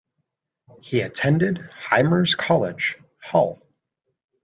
He attended Hymers College, Hull.